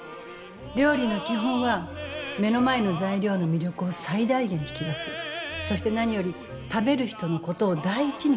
料理の基本は目の前の材料の魅力を最大限引き出すそして何より食べる人のことを第一に考えること。